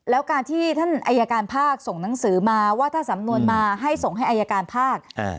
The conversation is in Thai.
แล้วการที่ท่านอายการภาคส่งหนังสือมาว่าถ้าสำนวนมาให้ส่งให้อายการภาค